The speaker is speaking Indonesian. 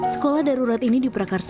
sekolah darurat ini diperakarsin